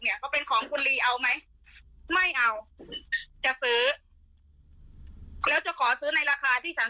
ว่าเป็นของคุณลีเอาไหมไม่เอาจะซื้อแล้วจะขอซื้อในราคาที่ฉัน